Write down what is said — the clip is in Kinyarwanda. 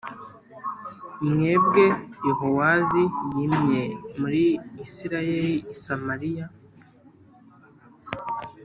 Mwene yehowahazi yimye muri isirayeli i samariya